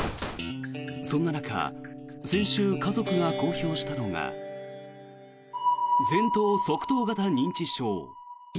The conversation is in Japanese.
そんな中先週、家族が公表したのが前頭側頭型認知症。